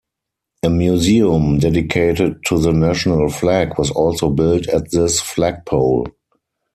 A museum dedicated to the national flag was also built at this flagpole.